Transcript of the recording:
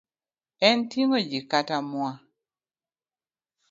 En ting'o ji kata mwa